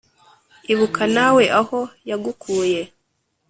ibuka nawe aho yagukuye